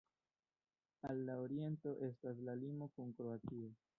Al la oriento estas la limo kun Kroatio.